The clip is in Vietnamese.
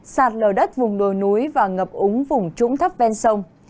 sạt lở đất vùng đồi núi và ngập úng vùng trũng thấp ven sông